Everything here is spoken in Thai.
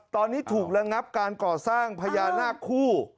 ตอนนี้ถูกระงับการก่อสร้างพญานาคคู่